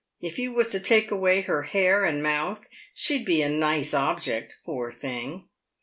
" If you was to take away her hair and mouth, she'd be a nice object, poor thing."